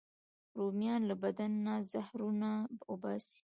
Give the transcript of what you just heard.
رومیان له بدن نه زهرونه وباسي